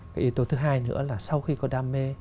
cái yếu tố thứ hai nữa là sau khi có đam mê